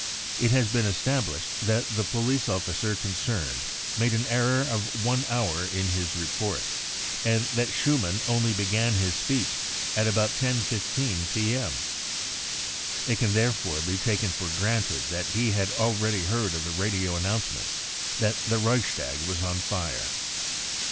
It has been established that the police officer concerned > made an error of one hour in his report, and that Schumann only began his speech at about 10.15 P* m * It can therefore be taken for granted that he had already heard of the radio announcement that the Reichstag was on fire."